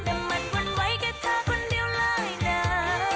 แต่มันวั่นไว้แค่เธอคนเดียวเลยนะ